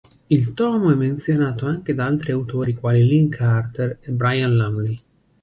Il tomo è menzionato anche da altri autori quali Lin Carter e Brian Lumley.